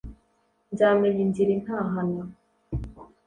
nzamenya inzira intahana,